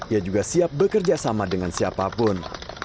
ia juga siap bekerja sama dengan siapapun